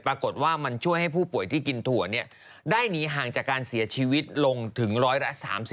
ปรากฏว่ามันช่วยให้ผู้ป่วยที่กินถั่วได้หนีห่างจากการเสียชีวิตลงถึงร้อยละ๓๐